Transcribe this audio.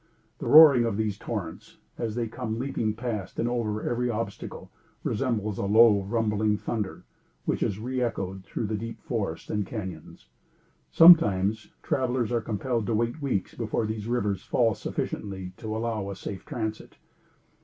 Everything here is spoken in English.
The roaring of these torrents as they come leaping past and over every obstacle, resembles a low, rumbling thunder, which is reechoed through the deep forests and cañons. Sometimes travelers are compelled to wait weeks before these rivers fall sufficiently to allow a safe transit.